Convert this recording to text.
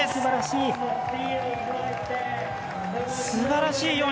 すばらしい！